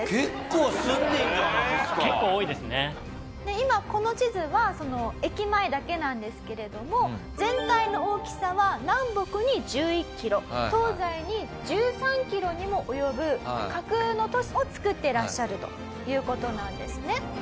今この地図は駅前だけなんですけれども全体の大きさは南北に１１キロ東西に１３キロにも及ぶ架空の都市をつくっていらっしゃるという事なんですね。